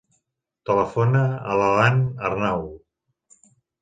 Telefona a l'Alan Arnau.